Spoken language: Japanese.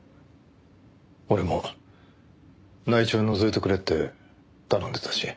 俺も内調のぞいてくれって頼んでたし。